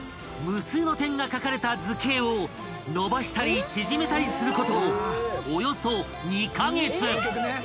無数の点が描かれた図形を伸ばしたり縮めたりすること］